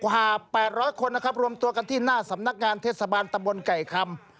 กว่า๘๐๐คนนะครับรวมตัวกันที่หน้าสำนักงานเทศบาลตะบนไก่คำ